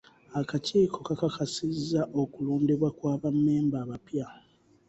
Akakiiko kakakasizza okulondebwa kwa ba memba abapya.